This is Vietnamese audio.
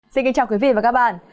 xin kính chào quý vị và các bạn